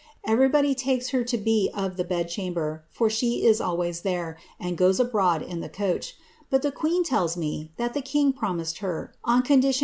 Ever}'body takes her to be of the bed chamber, for she is always there, and goes abroad in tlie couch. But the queen tells me that the king promised her, on condition